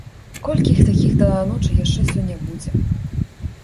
Колькі іх такіх да ночы яшчэ сёння будзе!